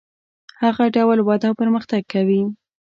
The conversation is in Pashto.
هغه ډول وده او پرمختګ کوي.